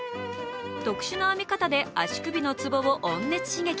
特殊な編み方で足首のつぼを温熱刺激。